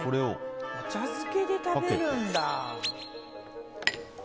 お茶漬けで食べるんだ。